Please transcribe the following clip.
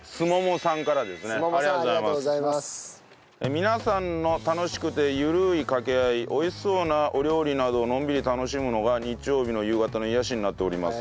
皆さんの楽しくてゆるい掛け合い美味しそうなお料理などのんびり楽しむのが日曜日の夕方の癒やしになっております。